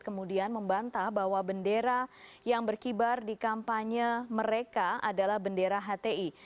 kemudian membantah bahwa bendera yang berkibar di kampanye mereka adalah bendera hti